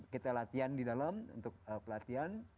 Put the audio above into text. kita latihan di dalam untuk pelatihan